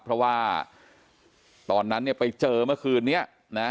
เพราะว่าตอนนั้นเนี่ยไปเจอเมื่อคืนนี้นะ